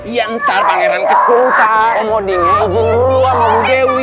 yang teriak yang teriak